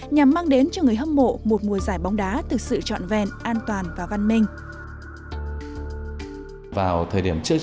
nhằm mang đến cho người hâm mộ một mùa giải bóng đá thực sự trọn vẹn an toàn và văn minh